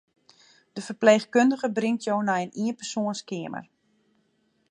De ferpleechkundige bringt jo nei in ienpersoanskeamer.